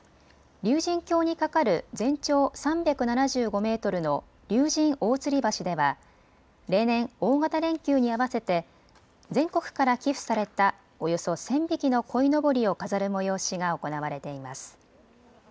竜神峡に架かる全長３７５メートルの竜神大吊橋では例年、大型連休に合わせて全国から寄付されたおよそ１０００匹のこいのぼりを飾る催しが行われています。